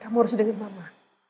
kamu urus dengan mama